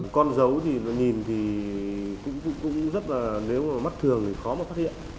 con dấu thì nhìn thì cũng rất là nếu mà mắt thường thì khó mà phát hiện